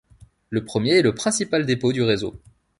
Le premier est le principal dépôt du réseau.